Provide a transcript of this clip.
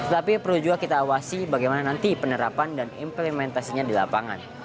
tapi perlu juga kita awasi bagaimana nanti penerapan dan implementasinya di lapangan